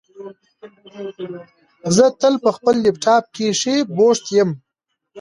زه تل په خپل لپټاپ کېښې بوښت یم